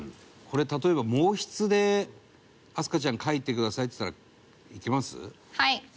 これ例えば毛筆で明日香ちゃん書いてくださいっつったらいけます？